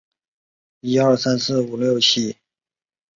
南北两侧分别与睦南道和常德道平行。